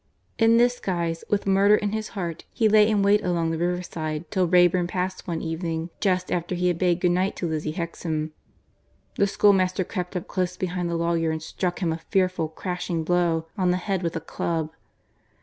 In this guise, with murder in his heart, he lay in wait along the riverside till Wrayburn passed one evening just after he had bade good night to Lizzie Hexam. The schoolmaster crept up close behind the lawyer and struck him a fearful crashing blow on the head with a club.